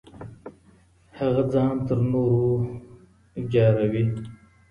هغه ځان تر نورو ځاروي.